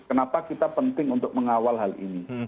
kenapa kita penting untuk mengawal hal ini